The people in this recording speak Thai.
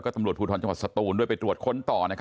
และตำรวจภูทม์ชมสตูรด้วยไปตรวจค้นตอน